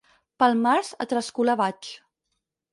Pel març a trascolar vaig.